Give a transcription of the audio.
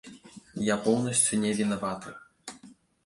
Я поўнасцю не вінаваты.